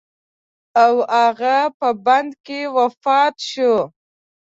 او هغه په بند کې وفات شو.